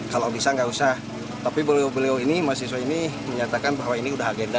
kalau bisa nggak usah tapi beliau beliau ini mahasiswa ini menyatakan bahwa ini sudah agenda